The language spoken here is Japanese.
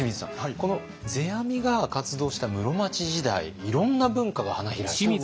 この世阿弥が活動した室町時代いろんな文化が花開いた。